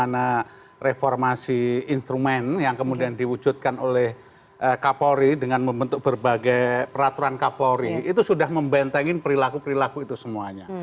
karena reformasi instrumen yang kemudian diwujudkan oleh kapolri dengan membentuk berbagai peraturan kapolri itu sudah membentengin perilaku perilaku itu semuanya